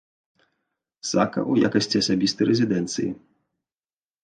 Сака ў якасці асабістай рэзідэнцыі.